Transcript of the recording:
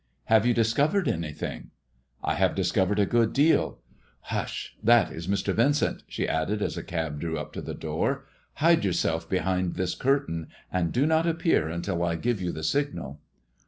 " Have you discovered anything ]"'' I have discovered a good deal. Hush I * That is Mr. Vincent," she added, as a cab drew up to the door. "Hide yourself behind this curtain, and do not appear until I give you the signal."